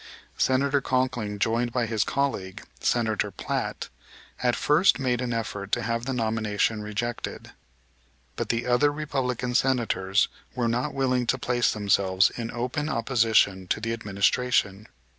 Senator Conkling, joined by his colleague, Senator Platt, at first made an effort to have the nomination rejected, but the other Republican Senators were not willing to place themselves in open opposition to the administration.